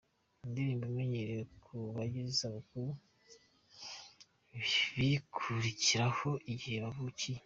indirimbo imenyerewe ku bagize isabukuru bibukiraho igihe bavukiye.